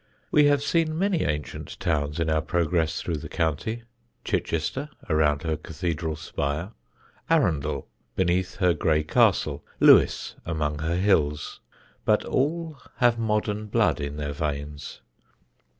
We have seen many ancient towns in our progress through the county Chichester around her cathedral spire, Arundel beneath her grey castle, Lewes among her hills but all have modern blood in their veins.